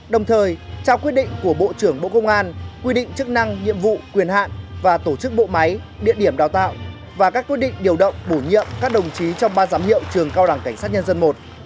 đồng thời trao quyết định của bộ trưởng bộ công an quy định chức năng nhiệm vụ quyền hạn và tổ chức bộ máy địa điểm đào tạo và các quyết định điều động bổ nhiệm các đồng chí trong ban giám hiệu trường cao đẳng cảnh sát nhân dân i